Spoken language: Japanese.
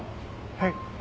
はい。